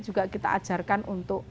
juga kita ajarkan untuk